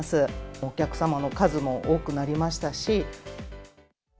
お客様の数も多くなりましたし。